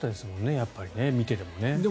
やっぱり見てても。